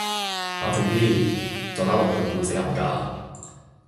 冷靜啲，再打落去會死人㗎